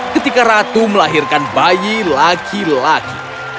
ketika ratu melahirkan bayi laki laki